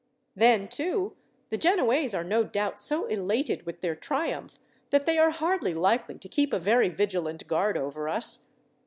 Then, too, the Genoese are no doubt so elated with their triumph, that they are hardly likely to keep a very vigilant guard over us.